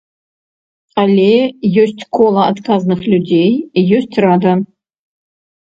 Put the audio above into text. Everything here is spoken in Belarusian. Але ёсць кола адказных людзей, ёсць рада.